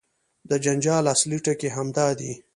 د جنجال اصلي ټکی همدا دی.